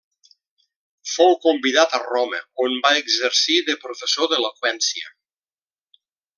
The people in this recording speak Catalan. Fou convidat a Roma on va exercir de professor d'eloqüència.